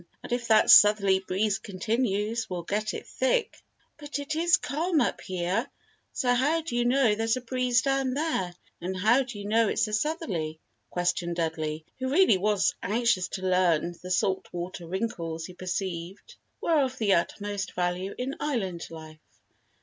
"And if that southerly breeze continues we'll get it thick." "But it is calm up here, so how do you know there's a breeze down there and how do you know it's a southerly?" questioned Dudley, who really was anxious to learn the "salt water" wrinkles he perceived were of the utmost value in Island life.